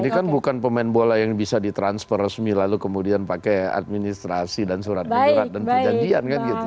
ini kan bukan pemain bola yang bisa ditransfer resmi lalu kemudian pakai administrasi dan surat menyurat dan perjanjian kan gitu